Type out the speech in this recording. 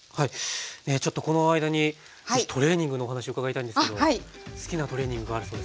ちょっとこの間に是非トレーニングのお話を伺いたいんですけど好きなトレーニングあるそうですね。